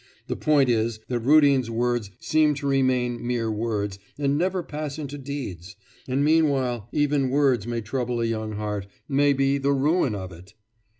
The point is, that Rudin's words seem to remain mere words, and never to pass into deeds and meanwhile even words may trouble a young heart, may be the ruin of it.